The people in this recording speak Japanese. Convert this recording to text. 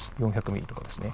４００ミリとかですね。